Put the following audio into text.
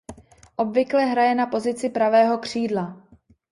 Obvykle hraje na pozici pravého křídla.